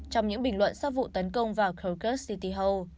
trong những bình luận sau vụ tấn công vào khe city hall